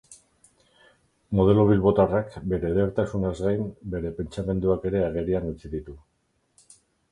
Modelo bilbotarrak bere edertasunaz gain, bere pentsamenduak ere agerian utzi ditu.